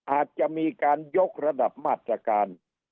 อาจจะมีการยกระดับมาตรการ